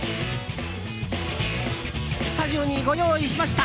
スタジオにご用意しました。